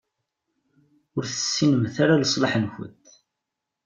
Ur tessinemt ara leṣlaḥ-nkent.